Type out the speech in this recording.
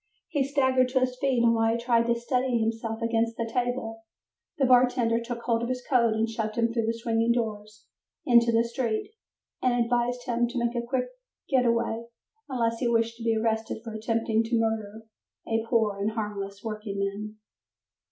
He staggered to his feet, and while he tried to steady himself against a table, the bartender took hold of his coat and shoved him through the swinging doors into the street, and advised him to make a quick getaway unless he wished to be arrested for attempting to murder a "poor and harmless working man".